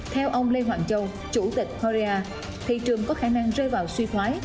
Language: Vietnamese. theo ông lê hoàng châu chủ tịch heria thị trường có khả năng rơi vào suy thoái